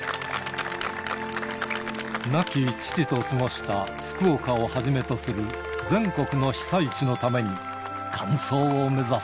亡き父と過ごした福岡をはじめとする全国の被災地のために、完走を目指す。